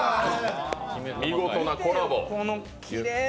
見事なコラボ。